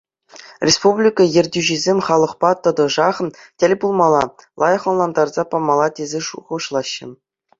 Республика ертӳҫисем халӑхпа тӑтӑшах тӗл пулмалла, лайӑх ӑнлантарса памалла тесе шухӑшлаҫҫӗ.